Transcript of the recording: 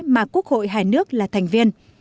mà quốc hội hai nước là thành viên